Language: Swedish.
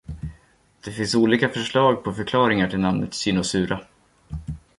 Det finns olika förslag på förklaringar till namnet "Cynosura".